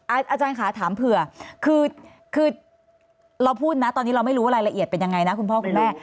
อาจารย์ค่ะถามเผื่อคือเราพูดนะตอนนี้เราไม่รู้ว่ารายละเอียดเป็นยังไงนะคุณพ่อคุณแม่